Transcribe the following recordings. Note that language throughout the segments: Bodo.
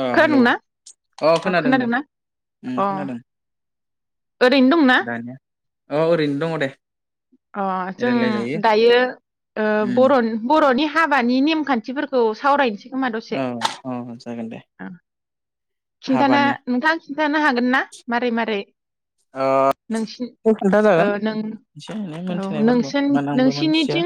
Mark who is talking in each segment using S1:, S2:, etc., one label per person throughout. S1: अ हेलौ
S2: खोनादोंना
S1: अ खोनादों दे ओम
S2: अ
S1: खोनादों
S2: ओरैनो दंना
S1: दानिया औ ओरैनो दङ दे।
S2: जों
S1: रायलाय जायो
S2: दायो ओ
S1: उम
S2: बर'न- बर'नि ह हाबानि नेमखान्थिफोरखौ सावरायनोसै। खोमा दसे
S1: औ औ जागोन दे।
S2: ओ खिन्थाना
S1: हाबानि
S2: नोंथां खिन्थानो हागोन ना मारै मारै नोंसि
S1: ओ
S2: ओ
S1: खोन्थाजागोन
S2: नों
S1: एसे एनै
S2: औ
S1: मोनथिनायफोरखौ
S2: नोंसि
S1: मान आंबो मोनथिया
S2: औ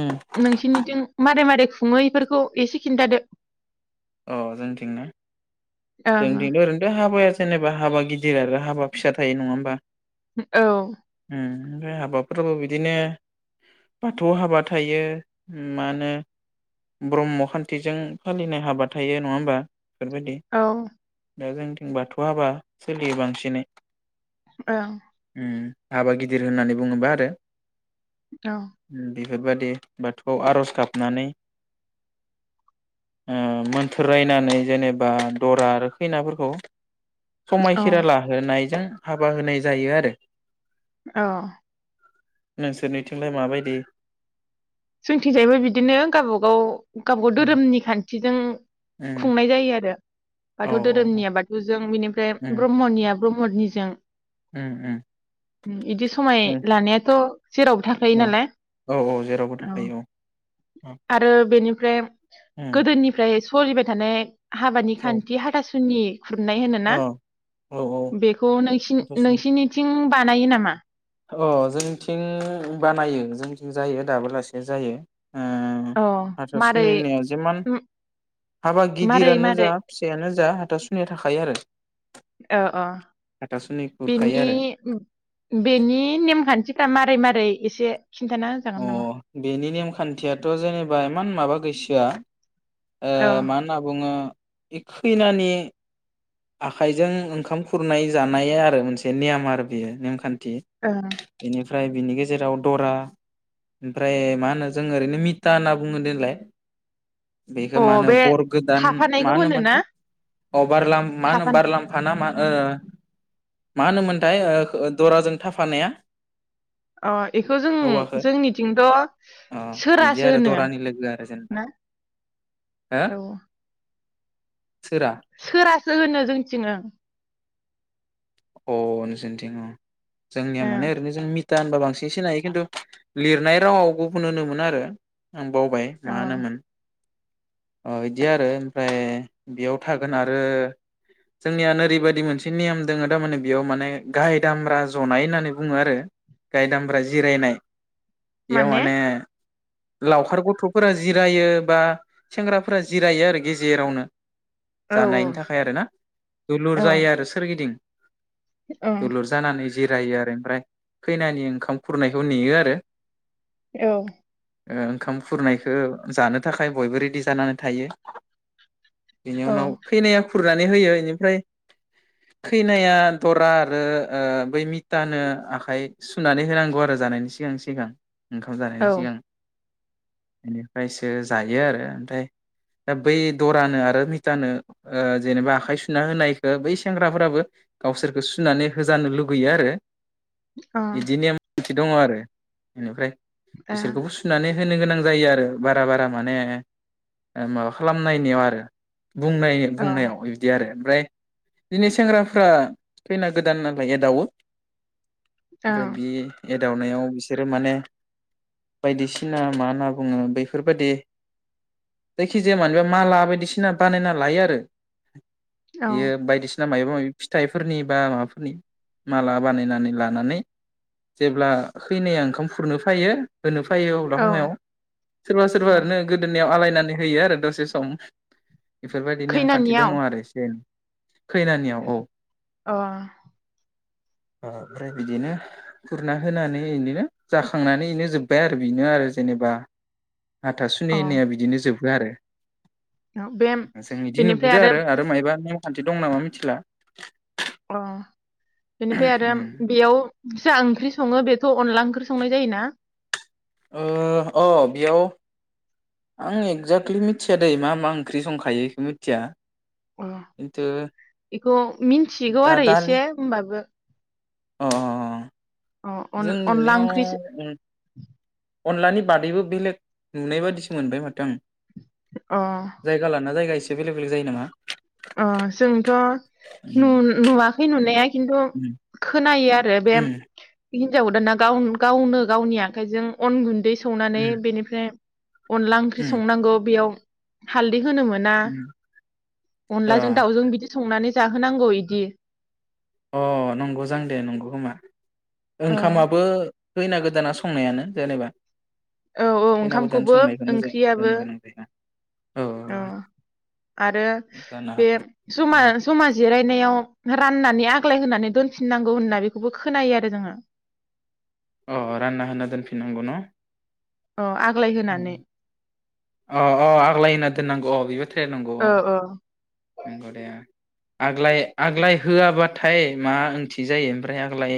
S1: उम
S2: नोंसिनिथिं मारै मारै खुङो इफोरखौ एसे खिन्थादो।
S1: अ जोंथिं ना?
S2: ओं
S1: जोंथिंबो ओरैनोथ' हाबाया जेनेबा हाबा गिदिर आरो हाबा फिसा थायो नङा होमबा?
S2: औ
S1: ओमफाय हाबाफोराबो बिदिनो बाथौ हाबा थायो मा होनो ब्रह्म खान्थिजों फालिनाय हाबा थायो नङा होमबा? बेफोरबायदि
S2: औ
S1: दा जों जों बाथौ हाबा सोलियो बांसिनै
S2: ओं
S1: उम हाबा गिदिर होननानै बुङोबा आरो।
S2: औ
S1: बेफोरबादि बाथौआव आर'ज गाबनानै उं मोन थोर रायनानै जेनेबा दरा आरो खैनाफोरखौ
S2: औ
S1: समायखिरा लाहोनायजों हाबा होनाय जायो आरो।
S2: औ
S1: नोंसोरनिथिंलाय माबायदि?
S2: जोंथिं जायबो बिदिनो गावबागाव गाव गाव
S1: उम
S2: दोरोमनि खान्थिजों
S1: उम
S2: खुंनाय जायो आरो।
S1: औ
S2: बाथौ
S1: औ
S2: धोरोमनिया बाथौजों बिनि फ्राइ
S1: उम
S2: ब्रह्मनिया ब्रह्मदनिजों
S1: उम उम
S2: इदि समाय
S1: उम
S2: लानायाथ' जेरावबो थाखायो
S1: औ
S2: नालाय।
S1: औ जेरावबो
S2: औ
S1: थाखायो औ
S2: आरो बेनि फ्राय
S1: उम
S2: गोदोनिफ्राय सलिबाय थानाय हाबानि
S1: औ
S2: खान्थि हाथा सुनि खुरनाय होनोना
S1: औ औ औ
S2: बेखौ
S1: हाथासुनि
S2: नोंसि-नोंसिनिथिं बानायो नामा?
S1: अ जोंथिं बानायो जोंथिं जायो दाबोलासि जायो। ओ
S2: अ
S1: हाथा
S2: मारै
S1: सुनिनिया जेमान हाबा
S2: मारै
S1: गिदिरानो
S2: मारै
S1: जा फिसायानो जा हाथासुनिया थाखायायो आरो
S2: अ अ
S1: हाथासुनि खुरखायो
S2: बेनि
S1: आरो
S2: बेनि नेमखान्थिफ्रा मारै मारै एसे खिन्थाना होजागोन नामा?
S1: खान्थियाथ' जेनेबा इमान माबा गैसोआ
S2: औ
S1: ओ मा होनना बुङो खैनानि आखाइजों ओंखाम खुरनाय जानाय आरो मोनसे नेयाम आरो बेयो नेमखान्थ थि एनि फ्राय बिनि गेजेराव दरा ओमफ्राय मा होनो जों ओरैनो मिता होनना बुङो देलाय बेखौ मा
S2: ओं अ
S1: होनो
S2: बे
S1: बर गोदान
S2: थाफानायखौ
S1: मा
S2: होनो ना
S1: होनोमोनथाय अ बारलाम माहोनो
S2: थाफानाय
S1: बारलांमफाना मा ओ माहोनोमोनथाय ओ दराजों थाफानाया?
S2: अ इखौ जों
S1: हौवाखो
S2: जोंनिथिंथ'
S1: अ बिदि
S2: सोरासो
S1: आरो
S2: होनो
S1: दरानि लोगो आरो जेनेबा
S2: ना
S1: हो
S2: औ
S1: सोरा
S2: सो होनो जोंथिनो ओं
S1: अ नोंसोरनिन्थिं अ जोंनिया माने
S2: ओं
S1: ओरैनो जों मि था होनबा बांसिन सिनायो खिन्थु लिरनाय रावाव गुबुन होनोमोन आरो आं बावबाय
S2: औ
S1: माहोनोमोन अ इदि आरो ओमफ्राय बेयाव थागोन आरो जोंनिया नोरैबायदि मोनसे नेयोम दोङो थारमाने बेयाव माने गाय दामब्रा जनाय होननानै बुङो आरो गाय दामब्रा जिरायनाय एयाव माने लावखार गथ'फोरा जिरायो बा सेंग्राफोरा जिरायो आरो गेजेरावनो
S2: औ औ
S1: जानायनि थाखाय आरो ना दुलुर
S2: औ
S1: जायो आरो सोरगिदिं
S2: औ
S1: दुलुर जानानै जिरायो आरो ओमफ्राय खैनानि ओंखाम खुरनायखौ नेयो आरो
S2: औ
S1: ओ ओंखाम खुरनायखौ जानो थाखाय बयबो रेडि जानानै थायो बेनि
S2: औ
S1: उनाव खैनाया खुरनानै होयो बेनिफ्राय खैनाया दरा आरो ओ बै मिटानो आखाइ सुनानै होनांगौ आरो जानायनि सिगां सिगां ओंखाम
S2: औ
S1: जानायनि
S2: ओ
S1: सिगां। बेनिफ्रायसो जायो आरो ओमफ्राय दा बै दरानो आरो मिटानो ओ जेनेबा आखाइ सुना होनायखो बै सेंग्राफोराबो गावसोरखो सुनानै होजानो लुगैयो आरो।
S2: अह
S1: ओंथि दङ आरो बेनिफ्राय।
S2: औ
S1: बिसोरखौबो सुनानै होनो गोनां जायो आरो बारा बारा माने ओ माबा खालामनायनियाव आरो। बुंनाय बुंनायाव बिब्दि आरो। ओमफ्राय दिनो सेंग्रा फ्रा खैना गोदान नालाय एदावो। ओमफ्राय बि एद दावनायाव बिसोरो माने बायदिसिना मा होनना बुङो बैफोरबायदि जायखिजाया मानिबा माला बायदिसिना बानायना लायोआरो।
S2: औ
S1: बियो बायदिस ना मायबा मायब फिथाइफोरनि बा माबाफोरनि माला बानायनानै लानानै जेब्ला खैनाया ओंखाम खुरनो फैयो होनो फैयो अब्ला
S2: औ
S1: हमायाव सोरबा सोरबा
S2: औ
S1: ओरनो गोदोनायाव आलाय नानै होयो आरो दसे सम। बेफोरबायदि नेमखान्थि
S2: खैनानियाव
S1: दङ आरो एसे खैनानियाव औ।
S2: अह
S1: ओ ओमफ्राय बिदिनो खुरना होनानै इदिनो जाखांनानै बिनो जोबबाय आरो बिनो आरो जेनेबा। हाथा सुनि
S2: अ
S1: होननाया बिदिनो जोब बोआरो।
S2: बे
S1: जों बिदि नुबोदो आरो आरो मायबा नियाव सानसे दं नामा मिथिला
S2: औ बेनिफ्राय आरो बेयाव जा ओंख्रि सङो बे थ' अनला ओंख्रि संनाय जायो ना?
S1: ओ अ बेयाव आं एक्जेक्टलि मिथिया दै मा मा ओंख्रि संखायो बेखौ मिथिया।
S2: अ
S1: खिन्थु
S2: बेखौ मिनथिगौ
S1: दा
S2: आरो
S1: दालि
S2: एसे होमबाबो।
S1: अ अ।
S2: अ अन
S1: जों
S2: अनला
S1: नुनायाव
S2: ओंख्रि
S1: उम अनलानि बादैबो बेलेग नुनाय बादिसो मोनबाय माथो आं।
S2: अ
S1: जायगा लाना जायगासै बे बेलेग बेलेग जायो नामा?
S2: अ जोंथ' नु
S1: उम
S2: नुवाखै नुनाया खिन्थु
S1: उम
S2: खोनायो आरो बे
S1: उम
S2: हिनजा गोदाना गाव गावनो गावनि आखाइजों अन गुन्दै संनानै
S1: उम
S2: बेनिफ्राय अनला ओंख्रि
S1: उम
S2: संनांगौ बेयाव, हाल [unintelligible] होनो मोना
S1: उम अ
S2: अनलाजों दउजों बिदि संना नानै जाहोनांगौ इदि
S1: अ नंगौ जां दे नंगौ खोमा,
S2: औ
S1: ओंखामाबो खैना गोदाना संनायानो जेनेबा,
S2: औ औ
S1: खैना गोदान
S2: ओंखामखौबो
S1: संनायखौनो जों
S2: ओंख्रियाबो
S1: होनो गोनां जायो
S2: औ आरो
S1: जानो
S2: बे
S1: हागौ
S2: जमा जमा जिरायनायाव राननानै, आग्लाय होनानै दोनफिननांगौ होनना बेखौबो खोनायो आरो जोङो,
S1: अ रानना होना दोनफिननांगौ न'
S2: औ आग्लाय होनानै
S1: अ अ आग्लाय होनना दोननांगौ अ बेबो थार नांगौ अ
S2: औ औ
S1: नंगौ दे आग्लाय आग्लाय होआबाथाय मा ओंथि जायो ओमफ्राय आग्लाय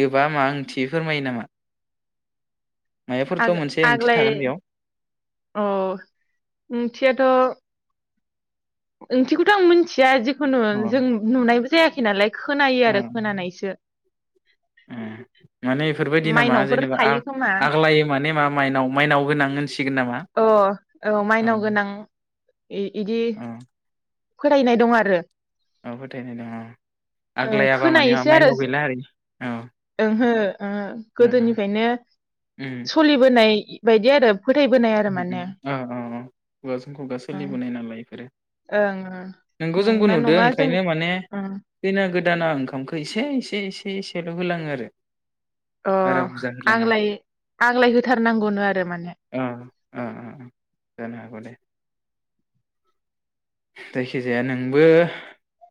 S1: होबा मा ओंथि फोरमायो नामा? माबाफोरथ' मोनसे ओंथि
S2: आग्लाय
S1: थागोन बेयाव
S2: अ ओंथियाथ' ओंथिखौथ' आं मिथिया [unintelligible] जों नुनायबो जायाखै नालाय खोनायो आरो
S1: उम
S2: खोनानायसो
S1: माने बेफोरबायदि नामा
S2: माइनावफोर
S1: जेनेबा
S2: थायो
S1: आग
S2: खोमा
S1: आग्लायो माने माइनाव गोनां होनसिगोन नामा?
S2: अ औ माइनाव गोनां इ इदि
S1: औ
S2: [inaudible]
S1: औ फोथायनाय दं
S2: ओहो
S1: औ
S2: गोदोनिफ्रायनो बायदि आरो फोथायबोनाय आरो माने
S1: अ खुगााजों खुगा
S2: ओं
S1: सोलिबोनाय नालाय बेफोरो
S2: ओं
S1: नोंगौ जोंबो
S2: नंगौना
S1: नुदों
S2: नङा जों
S1: ओंखायनो माने
S2: ओं
S1: खैना गोदान गोदाना ओंखामखौ एसे एसे एसे एसेल होलाङो आरो
S2: अ
S1: बारा बुरजा होलाङा
S2: आंलाय आंलाय होथारनांगौनो आरो माने
S1: औ औ जानो हागौ दे जायखिजाया नोंबो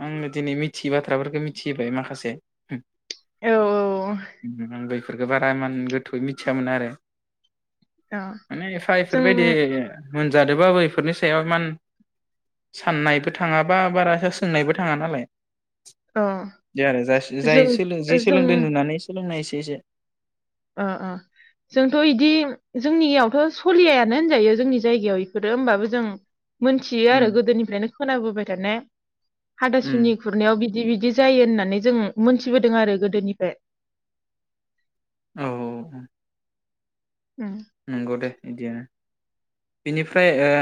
S1: आङो दिनै मिथियै बाथ्राफोरखौ मिथिहैबाय माखासे
S2: औ औ
S1: बे फोरखौ बारा एमान गोथौयै मिथियामोन आरो
S2: औ [unintelligible]
S1: बा इफोरबायदि मोनजादोबाबो बेफोरनि सायाव इमान साननायबो थाङाबा बारासा सोंनायबो थाङा नालाय
S2: अ
S1: दे आरो जास्थ
S2: जों
S1: जाय सोलों जि
S2: जों
S1: सोलोंदों नुनानै सोलोंनायसो जेसे
S2: अ अ जोंथ' इदि जोंनियावथ' सलियायानो होनजायो जोंनि जायगायाव इफोरो होमबाबो जों मोनथियो
S1: उम
S2: आरो गोदोनिफ्रायनो खोनाबोबाय थानाय
S1: उम
S2: हाथासुनि खुरनायाव बि दि बिदि जायो होननानै जों मोनथिबोदों आरो गोदोनिफ्राय
S1: औ नंगौ दे इदियानो बिनिफ्राय ओ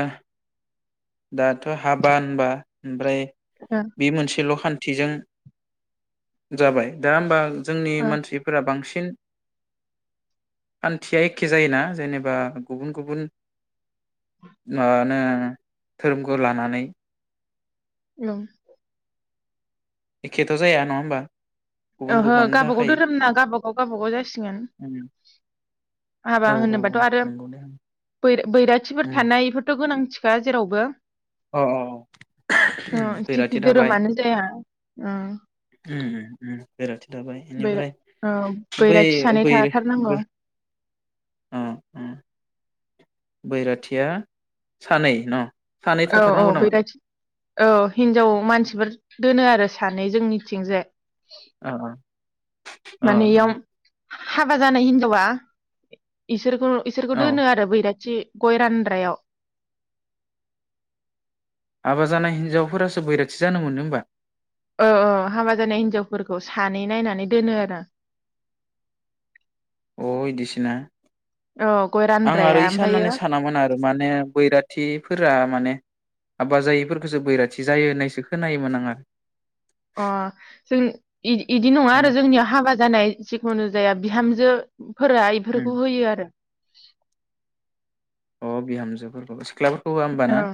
S1: दाथ' हाबा होनबा ओमफ्राय
S2: ओ
S1: बि मोनसेल'खान्थ थिजों जाबाय दा होमबा आं जोंनि मानसिफोरा बांसिन सिन हान्थिया एखे जायोना जेनेबा गुबुन गुबुन मानो थोरोमखौ लानानै
S2: [unintelligible]
S1: एखेथ' जाया नङा होमबा गुबुन
S2: ओहो
S1: गुबुन
S2: गाबागाव
S1: जाखायो
S2: धोरोम ना गाबागाव गाबागाव जासिगोन
S1: उम
S2: हाबा
S1: औ
S2: होनोबाथ'
S1: औ
S2: आरो
S1: नंगौ दे
S2: बैराथिफोर
S1: उम
S2: थानायफोरथ' गोनांथि दा जेरावबो
S1: अ
S2: अ
S1: उम
S2: जिखि
S1: बैराथि थाबाय
S2: धोरोमानो जाया ओ
S1: बेेराथि दाबाय
S2: बैरा ओ
S1: होयनायनिफ्राय
S2: बैराथि
S1: बै
S2: सानै
S1: बैरा
S2: थाथारनांगौ
S1: बो अ अ बैराथिया सानै न सानै
S2: औ औ
S1: थाथारनांगौ नामा
S2: बैराथि औ हिनजाव मानसिफोर दोनो आरो सानै जोंनिथिंजाय
S1: औ औ ओ
S2: माने
S1: ओ
S2: इयाव हाबा जानाय हिनजावा इसोरखौ इसोरखौ
S1: अ औ
S2: दोनो आरो बैराथि गयरान्द्रायाव
S1: हाबा जानाय हिन्जावफोरासो बैराथि जानो मोनो होमबा
S2: औ ओ हाबा जानाय हिन्जावफोरखौ सानै नायनानै दोनो आरो
S1: अ इदिसोना
S2: औ गय
S1: आं
S2: रानद्राया
S1: आरो इसा
S2: ओमफ्रायो
S1: होननानै सानामोन आरो माने बैराथिफोरा माने हाबा जायैफोरखौसो बैराथि जायो होननायसो खोनायोमोन आंहा
S2: अ जों इ-इदि नङा आरो जोंनियाव हाबा जानाय जिखुनु जाया बिहामजो फोरा
S1: उम
S2: बेफोरखौ होयो आरो।
S1: अ बिहामजोफोरखौ सिख्लाफोरखौ होआ होमबा ना
S2: औ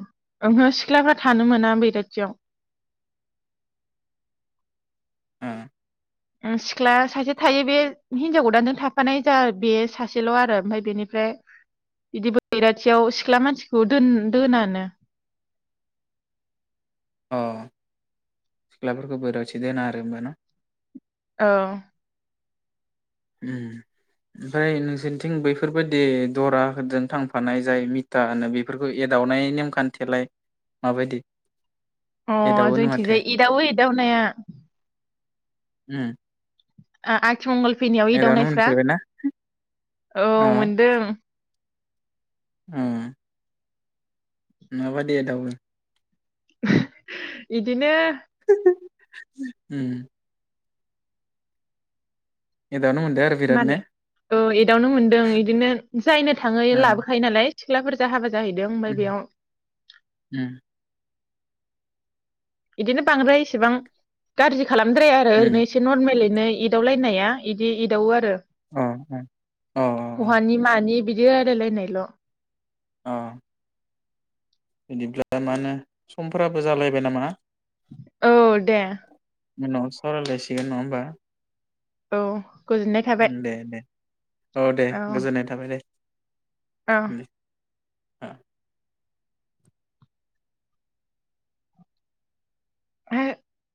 S2: ओहो सिख्लाफ्रा थानो मोना बैराथियाव
S1: ओ
S2: सिख्ला सासे थायो बे हिनजाव गोदानजों थाफानाय जा बे सासेल आरो ओमफ्राय बेनिफ्राय बिदि बैराथियाव सिख्ला मानसिखौ दोन-दोनानो।
S1: अ सिख्लाफोरखौ बैराथि दोना आरो होमबा न?
S2: औ
S1: उम ओमफ्राय नोंसोरनिथिं बैफोरबायदि दराजों थांफानाय जाय मिटा होनो बेफोरखौ एदावनाय नेमखान्थियालाय माबायदि?
S2: अ
S1: एदावोनो माथो
S2: जोंनिथिंजाय एदावो एदावनाया।
S1: उम
S2: आ-आ थि मंगल फैनायाव
S1: एदावनो
S2: एदावनायफ्रा
S1: मोनफेरबायना
S2: औ मोनदों।
S1: ओ माबादि एदावो?
S2: इदिनो
S1: उम एदावनो मोनदो आरो बिराद ने
S2: मालाय औ एदावनो मोनदों इदिनो जायनो थाङो
S1: ओ
S2: लाबोखायो नालाय सिख्लाफोरजों हाबा जाहैदों ओमफ्राय
S1: उम
S2: बेयाव
S1: उम
S2: बिदिनो बांद्राय इसेबां गाज्रि खालामद्राया आरो
S1: उम
S2: ओरैनो एसे नर्मेलै नों एदावलायनाया इदि एदावो आरो।
S1: अ अ
S2: बहानि मानि बिदि बादालायनायल।
S1: अ बिदिब्ला मा होनो समफोराबो जालायबाय नामा?
S2: औ दे
S1: उनाव सावरायलायसिगोन नङा होमबा?
S2: औ गोजोननाय थाबाय
S1: उम दे दे। औ दे गोजोननाय थाबाय दे।
S2: अ
S1: [unintelligible]
S2: [unintelligible]